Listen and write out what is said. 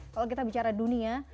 kalau kita bicara dunia